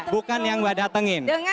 bukan yang mbak datangin